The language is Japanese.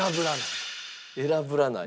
「偉ぶらない」。